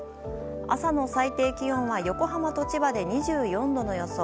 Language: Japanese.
朝の最低気温は横浜と千葉で２４度の予想。